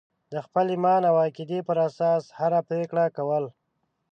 د خپل ایمان او عقیدې پر اساس هره پرېکړه کول.